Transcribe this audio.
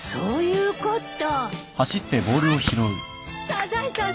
サザエさん